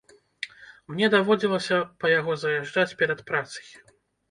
Мне даводзілася па яго заязджаць перад працай.